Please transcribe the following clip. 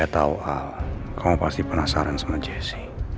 saya tahu al kamu pasti penasaran sama jesse